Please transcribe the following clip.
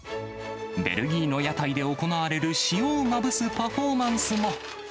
ベルギーの屋台で行われる塩をまぶすパフォーマンスも。